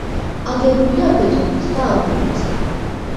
აგებულია ბეტონით და აგურით.